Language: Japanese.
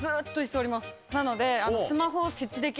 なので。